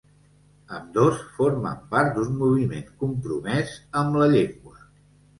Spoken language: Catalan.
Ambdós formen part d’un moviment compromès amb la llengua.